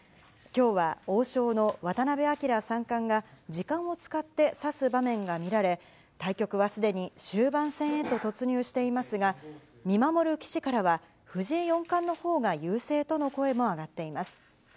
きょうは王将の渡辺明三冠が、時間を使って指す場面が見られ、対局はすでに終盤戦へと突入していますが、見守る棋士からは、藤井四冠のほうが優勢との声も上がっています。